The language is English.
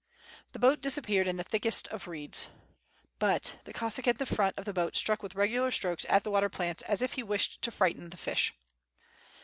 The boat disappeared in the thicket of reeds. But the Cossack in the front of the boat struck with regular strokes at the water plants as if he wished to frighten the fish.